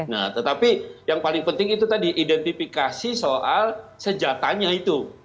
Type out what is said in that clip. nah tetapi yang paling penting itu tadi identifikasi soal senjatanya itu